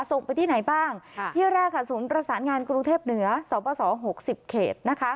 ส่งไปที่ไหนบ้างที่แรกค่ะศูนย์ประสานงานกรุงเทพเหนือสบส๖๐เขตนะคะ